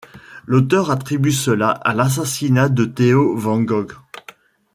L'auteur attribue cela à l'assassinat de Theo van Gogh.